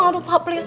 aduh pak please